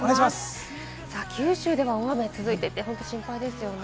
九州では大雨続いていて本当に心配ですよね。